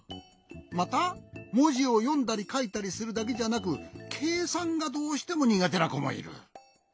またもじをよんだりかいたりするだけじゃなくけいさんがどうしてもにがてなこもいる。